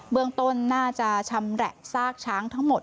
เมืองต้นน่าจะชำแหละซากช้างทั้งหมด